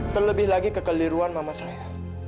terlebih lagi kekeliruan mama saya